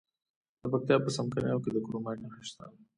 د پکتیا په څمکنیو کې د کرومایټ نښې شته.